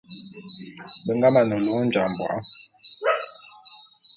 Be nga mane lôn Ojambô'a.